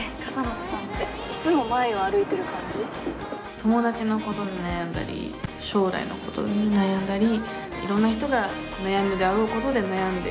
友達のことで悩んだり将来のことで悩んだりいろんな人が悩むであろうことで悩んでいる。